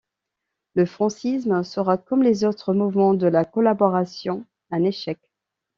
Le Francisme sera, comme les autres mouvements de la collaboration, un échec.